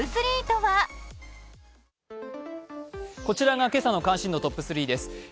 こちらが今朝の関心度トップ３です。